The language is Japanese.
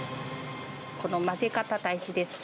この混ぜ方、大事です。